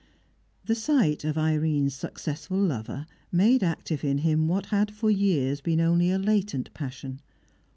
The sight of Irene's successful lover made active in him what had for years been only a latent passion.